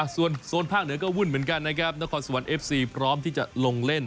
ส่วนโซนภาคเหนือก็วุ่นเหมือนกันนะครับนครสวรรค์เอฟซีพร้อมที่จะลงเล่น